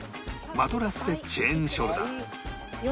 マトラッセ・チェーンショルダー